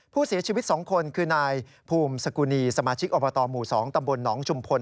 ผู้เสียชีวิต๒คนคือนายภูมิสกุณีสมาชิกอบตหมู่๒ตำบลหนองชุมพล